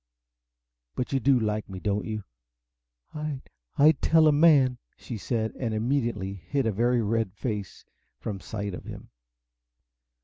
But you do like me, don't you?" "I I'd tell a man!" said she, and immediately hid a very red face from sight of him.